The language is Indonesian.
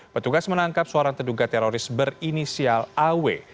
petugas menangkap seorang terduga teroris berinisial aw